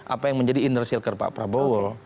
apa yang menjadi inner circle pak prabowo